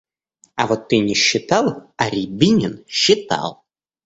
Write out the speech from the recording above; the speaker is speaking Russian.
А вот ты не считал, а Рябинин считал.